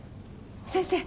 先生。